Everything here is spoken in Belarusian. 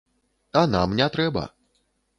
А нам не трэба.